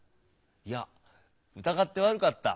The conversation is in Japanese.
いや疑って悪かった。